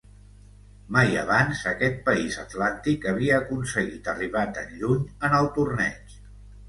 Mai abans aquest país atlàntic havia aconseguit arribar tan lluny en el torneig.